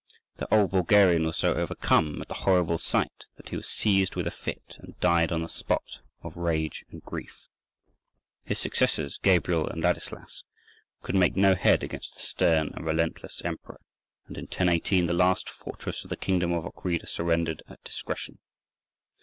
The old Bulgarian was so overcome at the horrible sight that he was seized with a fit, and died on the spot, of rage and grief. His successors Gabriel and Ladislas could make no head against the stern and relentless emperor, and in 1018 the last fortress of the kingdom of Ochrida surrendered at discretion.